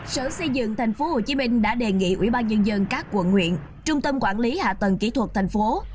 sở xây dựng tp hcm đã đề nghị ubnd các quận nguyện trung tâm quản lý hạ tầng kỹ thuật tp hcm